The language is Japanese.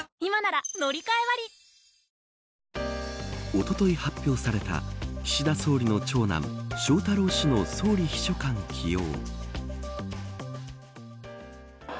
おととい発表された岸田総理の長男翔太郎氏の総理秘書官起用。